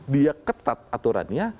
dia ketat aturannya